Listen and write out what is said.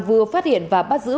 vừa phát hiện và bắt giữ